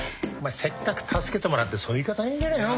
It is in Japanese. せっかく助けてもらってそういう言い方ねえんじゃねえの？